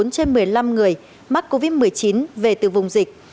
một mươi bốn trên một mươi năm người mắc covid một mươi chín về từ vùng dịch